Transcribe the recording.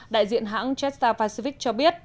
đại diện hãng jetstar pacific cho biết